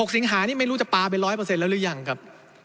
สิงหานี่ไม่รู้จะปลาไป๑๐๐แล้วหรือยังครับ